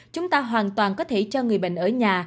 chúng ta hoàn toàn có thể cho người bệnh ở nhà